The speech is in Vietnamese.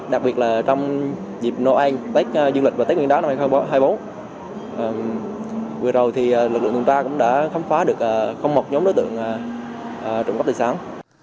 đặc biệt là trong dịp noel tết duyên lịch và tết nguyên đá năm hai nghìn hai mươi bốn vừa rồi thì lực lượng tuần tra cũng đã khám phá được không một nhóm đối tượng trộm cắp tài sản